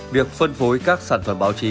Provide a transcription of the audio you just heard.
việc phân phối các sản phẩm báo chí